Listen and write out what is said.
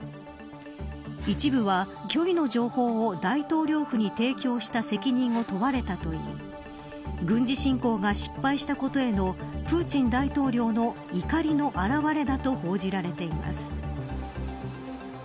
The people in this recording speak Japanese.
一部は、虚偽の情報を大統領府に提供した責任を問われたといい軍事侵攻が失敗したことへのプーチン大統領の怒りの表れだと報じられています。